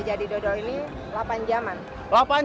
jadi dodol ini delapan jam an